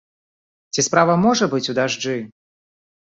Ці справа можа быць у дажджы?